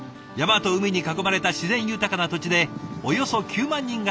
山と海に囲まれた自然豊かな土地でおよそ９万人が暮らす港町。